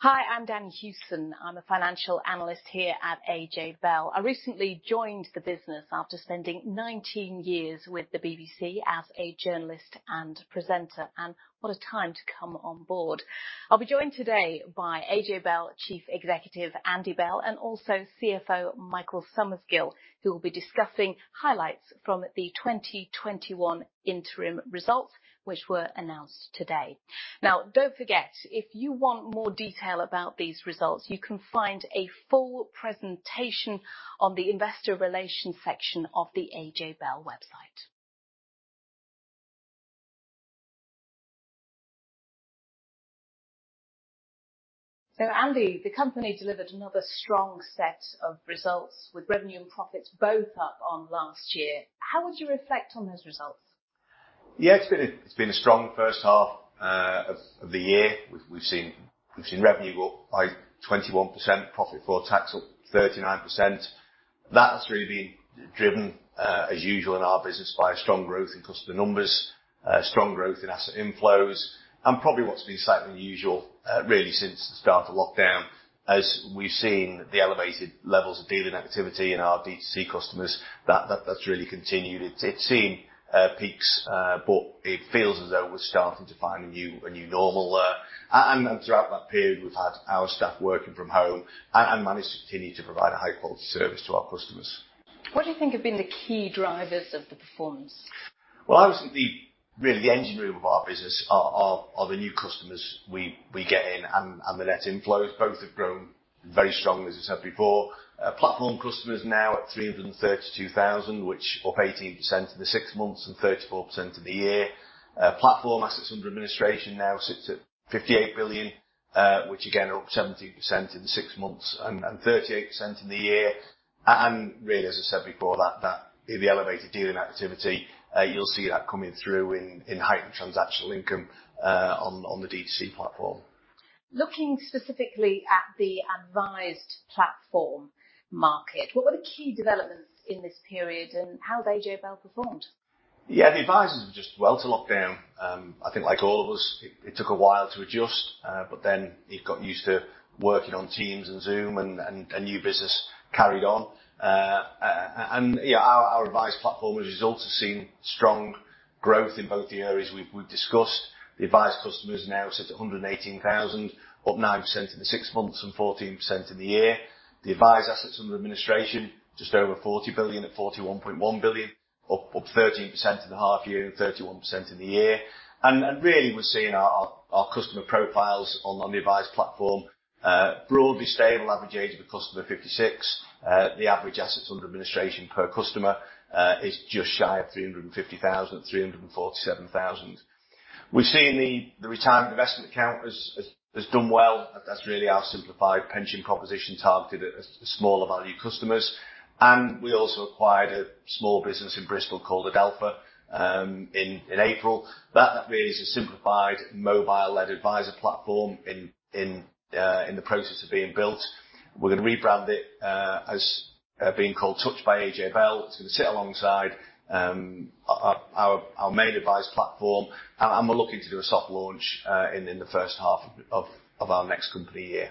Hi, I'm Danni Hewson. I'm a financial analyst here at AJ Bell. I recently joined the business after spending 19 years with the BBC as a journalist and presenter, and what a time to come on board. I'll be joined today by AJ Bell Chief Executive, Andy Bell, and also CFO, Michael Summersgill, who will be discussing highlights from the 2021 interim results, which were announced today. Don't forget, if you want more detail about these results, you can find a full presentation on the investor relations section of the AJ Bell website. Andy, the company delivered another strong set of results with revenue and profits both up on last year. How would you reflect on those results? It's been a strong first half of the year. We've seen revenue up by 21%, profit before tax up 39%. That's really been driven, as usual in our business, by strong growth in customer numbers, strong growth in asset inflows, and probably what's been slightly unusual, really since the start of the lockdown, as we've seen the elevated levels of dealing activity in our D2C customers, that's really continued. It's seen peaks, but it feels as though we're starting to find a new normal there. Throughout that period, we've had our staff working from home and managed to continue to provide a high quality service to our customers. What do you think have been the key drivers of the performance? Well, obviously, really the engine room of our business are the new customers we get in and the net inflows. Both have grown very strongly, as we said before. Platform customers now at 332,000, which up 18% in the six months and 34% in the year. Platform assets under administration now sits at 58 billion, which again, are up 17% in the six months and 38% in the year. Really, as I said before, that the elevated dealing activity, you'll see that coming through in heightened transactional income on the D2C platform. Looking specifically at the advised platform market, what were the key developments in this period and how did AJ Bell perform? Yeah, the advisers just went into lockdown. I think like all of us, it took a while to adjust, but then they got used to working on Teams and Zoom. New business carried on. Yeah, our advised platform, as a result, has seen strong growth in both the areas we've discussed. The advised customers now sit at 118,000, up 9% in the six months and 14% in the year. The advised assets under administration, just over 40 billion at 41.1 billion, up 13% in the half year and 31% in the year. Really, we've seen our customer profiles on the advised platform broadly stable. Average age of the customer 56. The average assets under administration per customer is just shy of 350,000 at 347,000. We've seen the Retirement Investment Account has done well. That's really our simplified pension composition targeted at smaller value customers. We also acquired a small business in Bristol called Adalpha in April. That is a simplified mobile-led adviser platform in the process of being built. We're going to rebrand it as being called Touch by AJ Bell to sit alongside our main advised platform, and we're looking to do a soft launch in the first half of our next company year.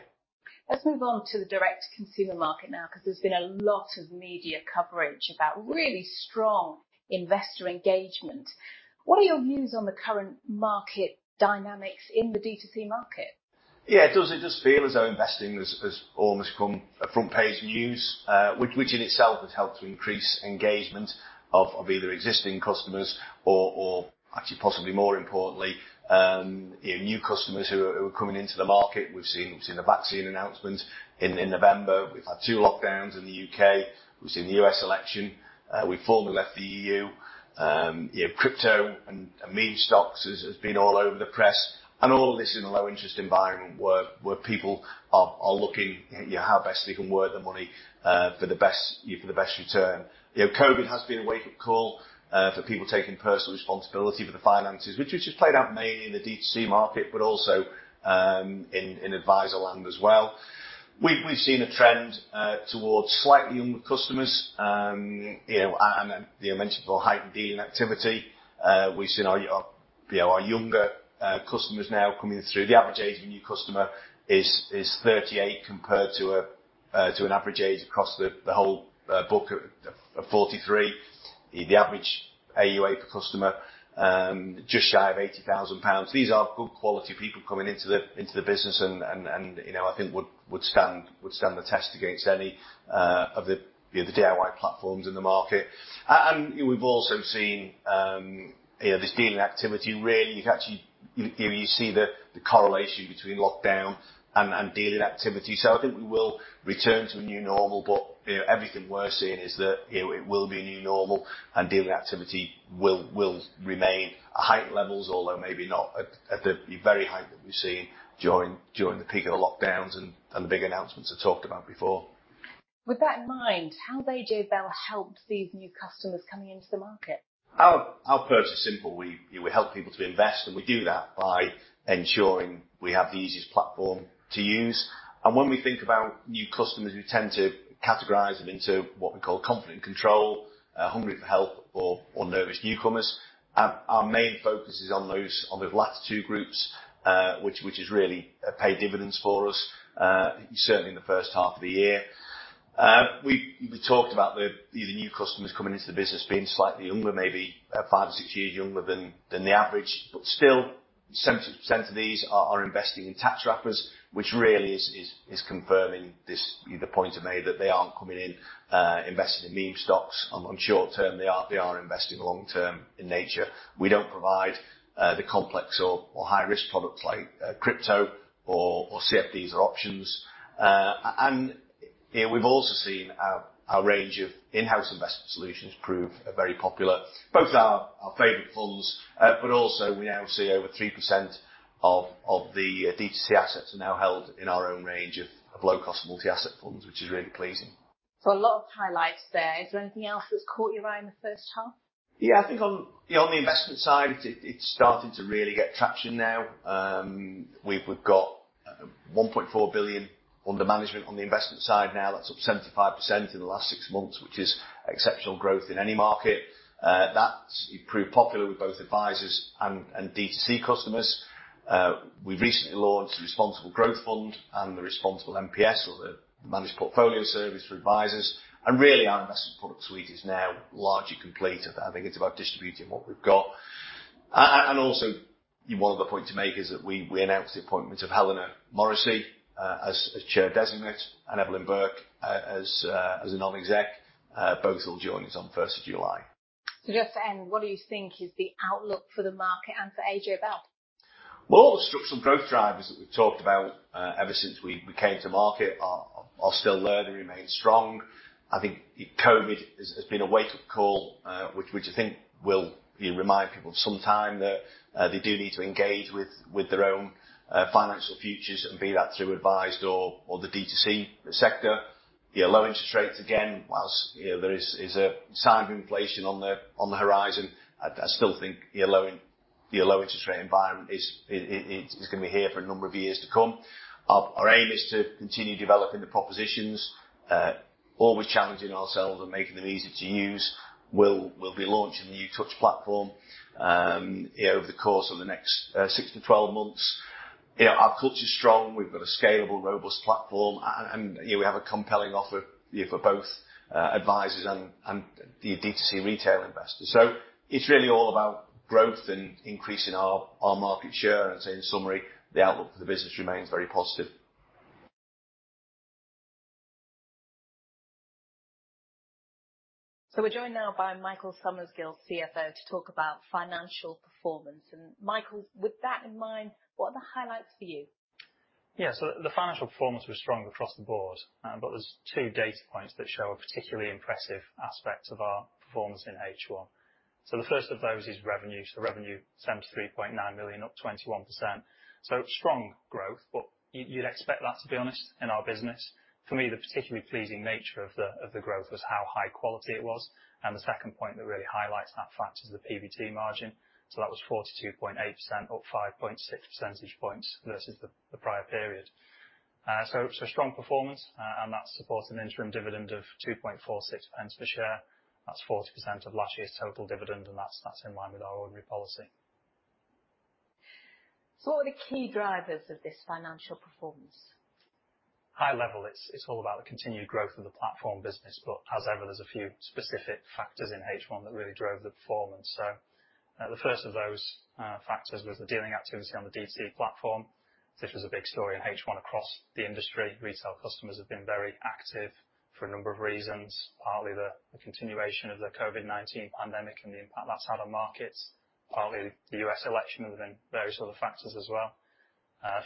Let's move on to the direct-to-consumer market now, because there's been a lot of media coverage about really strong investor engagement. What are your views on the current market dynamics in the D2C market? Yeah, it does feel as though investing has almost become a front page news, which in itself has helped increase engagement of either existing customers or actually possibly more importantly, new customers who are coming into the market. We've seen the vaccine announcements in November. We've had two lockdowns in the U.K. We've seen the U.S. election. We formally left the EU. Crypto and meme stocks have been all over the press, and all of this in a low interest environment where people are looking at how best they can work their money for the best return. COVID has been a wake-up call for people taking personal responsibility for their finances, which has played out mainly in the D2C market, but also in adviser land as well. We've seen a trend towards slightly younger customers, and I mentioned the heightened dealing activity. We've seen our younger customers now coming through. The average age of a new customer is 38 compared to an average age across the whole book of 43. The average AUA per customer, just shy of £80,000. These are good quality people coming into the business. I think would stand the test against any of the other DIY platforms in the market. We've also seen this dealing activity, really, you can actually see the correlation between lockdown and dealing activity. I think we will return to a new normal, but everything we're seeing is that it will be a new normal and dealing activity will remain at high levels, although maybe not at the very high that we've seen during the peak of the lockdowns and big announcements I talked about before. With that in mind, how did AJ Bell help these new customers coming into the market? Our approach is simple. We help people to invest, and we do that by ensuring we have the easiest platform to use. When we think about new customers, we tend to categorize them into what we call confident control, hungry for help, or nervous newcomers. Our main focus is on the last two groups, which has really paid dividends for us, certainly in the first half of the year. We talked about the new customers coming into the business being slightly younger, maybe five to six years younger than the average. Still, 70% of these are investing in tax wrappers, which really is confirming this, the point I made, that they aren't coming in investing in meme stocks and on short-term. They are investing long-term in nature. We don't provide the complex or high-risk products like crypto or CFD or options. We've also seen our range of in-house investment solutions prove very popular. Both our Favourite Funds, but also we now see over 3% of the D2C assets are now held in our own range of low-cost multi-asset funds, which is really pleasing. A lot of highlights there. Is there anything else that's caught your eye in the first half? Yeah. I think on the investment side, it's starting to really get traction now. We've got 1.4 billion under management on the investment side now. That's up 75% in the last six months, which is exceptional growth in any market. That's proved popular with both advisors and D2C customers. We recently launched the Responsible Growth Fund and the Responsible MPS, or the Managed Portfolio Service for advisors. Really our investment product suite is now largely complete and having a good distribution of what we've got. Also, one other point to make is that we announced the appointment of Helena Morrissey as Chair designate and Evelyn Bourke as a non-exec. Both will join us on 1st of July. What do you think is the outlook for the market and for AJ Bell? Well, some growth drivers that we've talked about ever since we came to market are still there. They remain strong. I think COVID has been a wake-up call, which I think will remind people some time that they do need to engage with their own financial futures and be that through advised or the D2C sector. The low interest rates again, whilst there's a sign of inflation on the horizon, I still think the low interest rate environment is going to be here for a number of years to come. Our aim is to continue developing the propositions, always challenging ourselves and making them easy to use. We'll be launching a new Touch platform over the course of the next six to 12 months. Our culture is strong. We've got a scalable, robust platform, and we have a compelling offer for both advisors and the D2C retail investors. It's really all about growth and increasing our market share. In summary, the outlook for the business remains very positive. We're joined now by Michael Summersgill, CFO, to talk about financial performance. Michael, with that in mind, what are the highlights for you? Yeah. The financial performance was strong across the board, but there's two data points that show a particularly impressive aspect of our performance in H1. The first of those is revenues. The revenue, 73.9 million, up 21%. Strong growth, but you'd expect that, to be honest, in our business. For me, the particularly pleasing nature of the growth was how high quality it was. The second point that really highlights that fact is the PBT margin. That was 42.8%, up 5.6 percentage points versus the prior period. It's a strong performance, and that supports an interim dividend of 0.0246 per share. That's 40% of last year's total dividend, and that's in line with our ordinary policy. What are the key drivers of this financial performance? High level, it's all about the continued growth of the platform business, but as ever, there's a few specific factors in H1 that really drove the performance. The first of those factors was the dealing activity on the D2C platform. This was a big story in H1 across the industry. Retail customers have been very active for a number of reasons, partly the continuation of the COVID-19 pandemic and the impact that had on markets, partly the U.S. election, and then various other factors as well.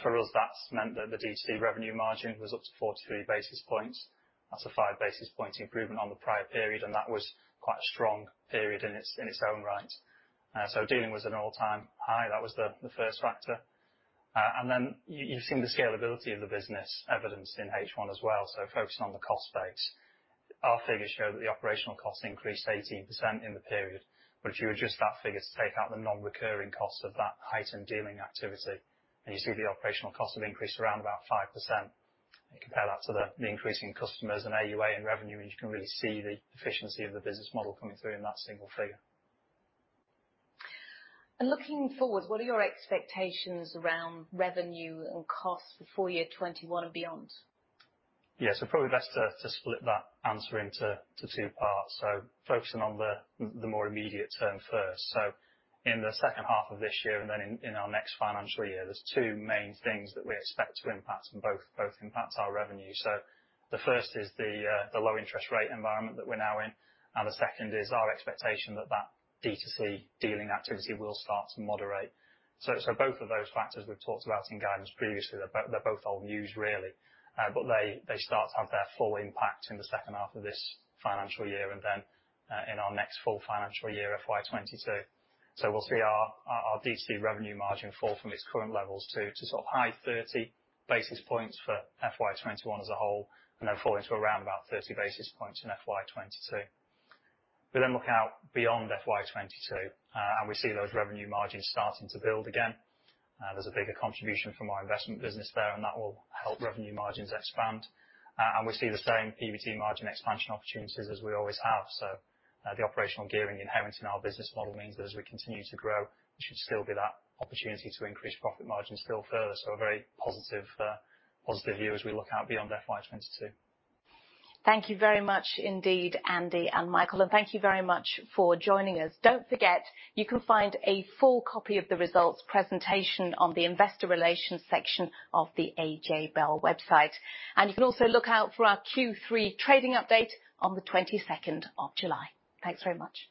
For us, that's meant that the D2C revenue margin was up to 43 basis points. That's a five basis point improvement on the prior period, and that was quite a strong period in its own right. Dealing was an all-time high. That was the first factor. You've seen the scalability of the business evidenced in H1 as well. Focusing on the cost base, our figures show that the operational costs increased 18% in the period. If you adjust that figure to take out the non-recurring cost of that heightened dealing activity, then you see the operational cost have increased around about 5%. You compare that to the increase in customers and AUA and revenue, and you can really see the efficiency of the business model coming through in that single figure. Looking forward, what are your expectations around revenue and costs for full year 2021 and beyond? Yeah. Probably best to split that answer into two parts. Focusing on the more immediate term first. In the second half of this year and then in our next financial year, there's two main things that we expect to impact, and both impact our revenue. The first is the low interest rate environment that we're now in, and the second is our expectation that D2C dealing activity will start to moderate. Both of those factors we've talked about in guidance previously. They're both old news really, but they start to have their full impact in the second half of this financial year and then in our next full financial year, FY 2022. We'll see our D2C revenue margin fall from its current levels to sort of high 30 basis points for FY21 as a whole, and then fall into around about 30 basis points in FY 2022. We look out beyond FY 2022, and we see those revenue margins starting to build again. There's a bigger contribution from our investment business there, and that will help revenue margins expand. We see the same PBT margin expansion opportunities as we always have. The operational gearing inherent in our business model means as we continue to grow, it should still be that opportunity to increase profit margins still further. A very positive view as we look out beyond FY 2022. Thank you very much indeed, Andy and Michael, and thank you very much for joining us. Don't forget, you can find a full copy of the results presentation on the investor relations section of the AJ Bell website. You can also look out for our Q3 trading update on the 22nd of July. Thanks very much.